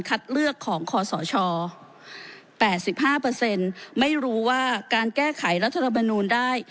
คัดเลือกของคอสชแปดสิบห้าเปอร์เซ็นต์ไม่รู้ว่าการแก้ไขรัฐธรรมนูนได้